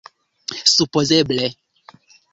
supozeble